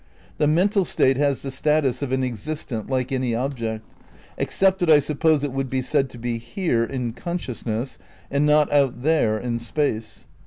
The mental state has the status of an existent like any object, except that I suppose it would be said to be "here" in consciousness and not "out there" in space.